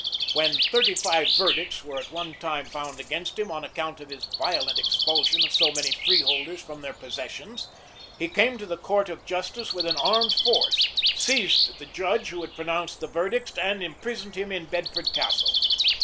When thirty five verdicts were at one time found against him, on account of his violent expulsion of so many freeholders from their possessions, he came to the court of justice with an armed force, seized the judge who had pronounced the verdicts, and imprisoned him in Bedford Castle.